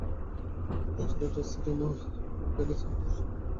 পথচারীরা রাস্তায় জমা পানি ঠেলে চলাচল করলেও যানবাহনগুলো রাস্তায় আটকে পড়ে।